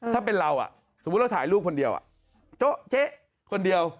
ถ้าเป็นเราสมมุติเราถ่ายรูปคนเดียวโจ๊ะเจ๊คนเดียว